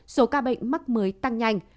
số ca bệnh mắc mới tăng nhanh